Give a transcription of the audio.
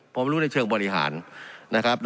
ผมรู้เรื่องในเชิงบริหารนะครับ